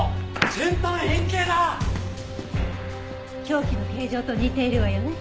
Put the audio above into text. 凶器の形状と似ているわよね。